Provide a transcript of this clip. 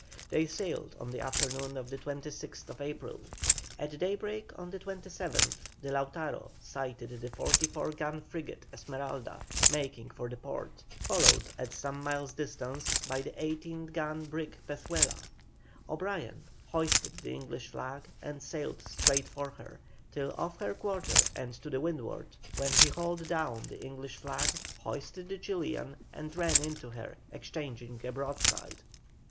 They sailed on the afternoon of the 26th April. At daybreak on the 27th the Lautaro sighted the 44 gun frigate Esmeralda making for the port, followed at some miles distance by the 18 gun brig Pezuela. O'Brien hoisted the English flag and sailed straight for her, till off her quarter and to windward, when he hauled down the English flag, hoisted the Chilian, and ran into her, exchanging a broadside.